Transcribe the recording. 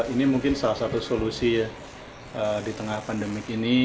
ini mungkin salah satu solusi di tengah pandemik ini